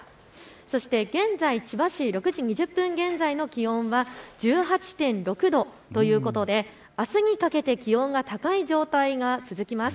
そして現在、千葉市、６時２０分現在の気温は１８．６度ということであすにかけて気温が高い状態が続きます。